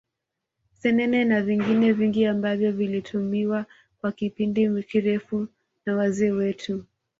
Senene na vingine vingi ambavyo vilitumiwa kwa kipindi kirefu na wazee wetu